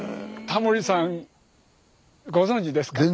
タモリさんご存じですか？